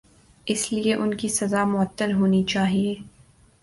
اسی لئے ان کی سزا معطل ہونی چاہیے۔